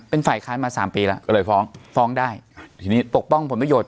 เป็นฝ่ายค้านมาสามปีแล้วก็เลยฟ้องฟ้องได้ทีนี้ปกป้องผลประโยชน